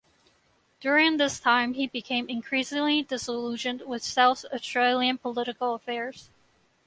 During this time he became increasingly disillusioned with South Australian political affairs.